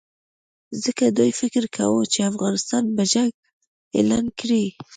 ځکه دوی فکر کاوه چې افغانستان به جنګ اعلان کړي.